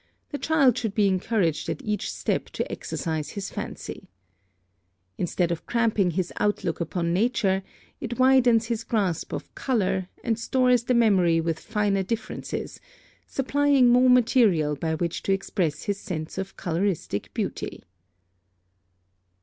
The child should be encouraged at each step to exercise his fancy. (45) Instead of cramping his outlook upon nature, it widens his grasp of color, and stores the memory with finer differences, supplying more material by which to express his sense of coloristic beauty.